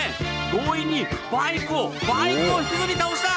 強引にバイクを、バイクを引きずり倒した。